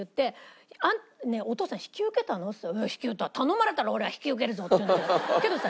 「お父さん引き受けたの？」って言ったら「引き受けた頼まれたら俺は引き受けるぞ」って言うんだけどけどさ